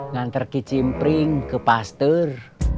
ngantar ke cimpring ke pastur